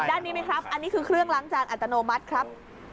อันนี้คือเครื่องล้างจานอัตโนมัติครับ